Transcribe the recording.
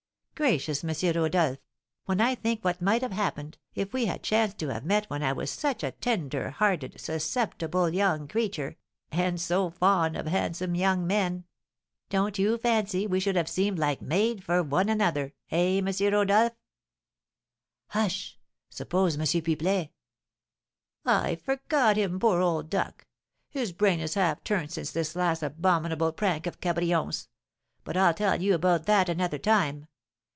Gracious, M. Rodolph, when I think what might have happened, if we had chanced to have met when I was such a tender hearted, susceptible young creature, and so fond of handsome young men, don't you fancy we should have seemed like made for one another, eh, M. Rodolph?" "Hush! Suppose M. Pipelet " "I forgot him, poor old duck! His brain is half turned since this last abominable prank of Cabrion's; but I'll tell you about that another time.